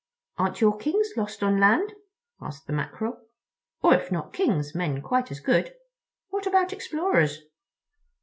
"Aren't your Kings lost on land?" asked the Mackerel, "or if not Kings, men quite as good? What about explorers?"